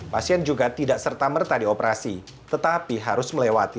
pasien juga tidak serta merta di operasi tetapi harus melewati operasi